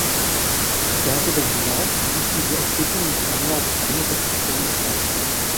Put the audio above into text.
Darüber hinaus blieb diese Entwicklung nicht lange auf reine Rezeption beschränkt.